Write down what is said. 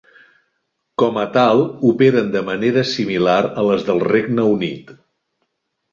Com a tal, operen de manera similar a les del Regne Unit.